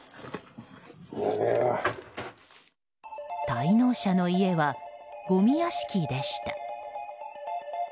滞納者の家は、ごみ屋敷でした。